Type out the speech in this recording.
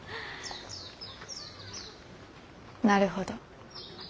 なるほど。